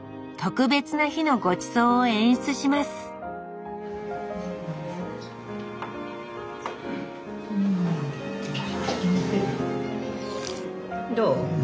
特別な日のごちそうを演出しますどう？